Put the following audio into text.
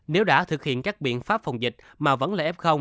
nếu đã thực hiện các biện pháp phòng dịch mà vẫn là f